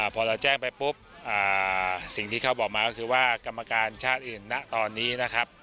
พอเราแจ้งไปปุ๊บสิ่งที่เขาบอกมาก็คือว่ากรรมการชาติอื่นณตอนนี้นะครับ